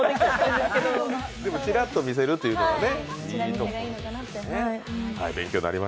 でも、ちらっと見せるというのがね。